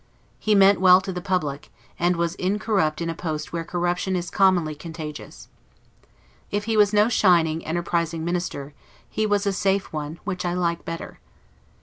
He meant well to the public; and was incorrupt in a post where corruption is commonly contagious. If he was no shining, enterprising minister, he was a safe one, which I like better.